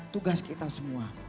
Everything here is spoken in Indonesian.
tugas kita semua